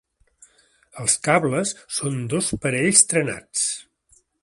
Els cables són dos parells trenats.